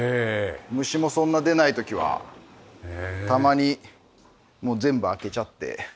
虫もそんな出ない時はたまにもう全部開けちゃって。